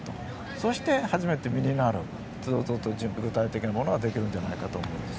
そして初めて身になる具体的なものができると思います。